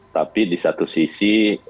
tapi di satu sisi